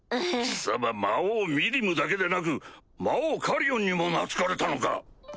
貴様魔王ミリムだけでなく魔王カリオンにも懐かれたのか！